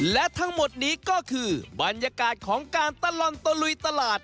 และทั้งหมดนี้ก็คือบรรยากาศของการตลอดตะลุยตลาด